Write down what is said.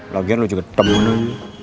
lagian lu juga demen